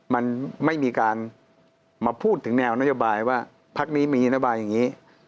มันไม่มีการมาพูดถึงแนวนโยบายว่าพักนี้มีนโยบายอย่างนี้